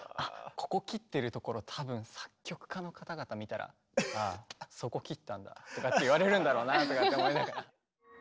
ここ切ってるところ多分作曲家の方々見たら「あそこ切ったんだ」とかって言われるんだろうなとかって思いながら。